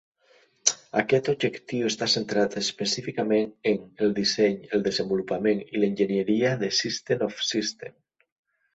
Aquest objectiu està centrat específicament en "el disseny, el desenvolupament i l'enginyeria de System-of-Systems".